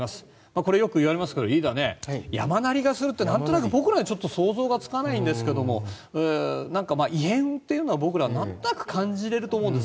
これ、よく言われますがリーダー、山鳴りがするってなんとなく僕らには想像がつかないんですけども異変というのは僕らはなんとなく感じられると思うんです。